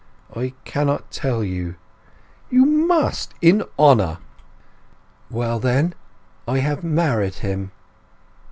"I cannot tell you." "You must in honour!" "Well then.... I have married him."